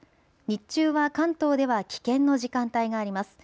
日中は関東では危険の時間帯があります。